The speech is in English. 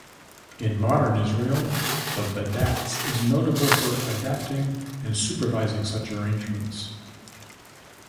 In modern Israel, the "badatz" is notable for adapting and supervising such arrangements.